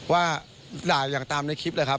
ว่าด่าตามว่าอย่างในคลิปแหละครับ